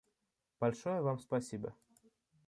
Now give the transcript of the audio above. Большое Вам спасибо.